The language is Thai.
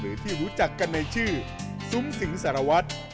หรือที่รู้จักกันในชื่อซุ้มสิงสารวัตร